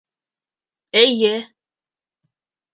— Эйе!